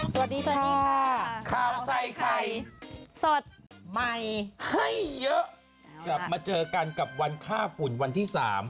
สวัสดีค่ะข้าวใส่ไข่สดใหม่ให้เยอะกลับมาเจอกันกับวันฆ่าฝุ่นวันที่๓